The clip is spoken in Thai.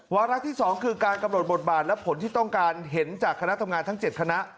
วาระที่๒คือการกำหนดบทบาทและผลที่ต้องการเห็นจากคณะทำงานทั้ง๗คณะ